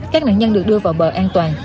các nạn nhân được đưa vào bờ an toàn